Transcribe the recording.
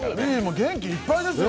元気いっぱいですよ。